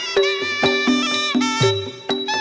โชว์ที่สุดท้าย